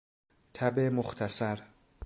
تب مختصر